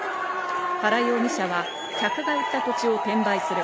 原容疑者は客が売った土地を転売する。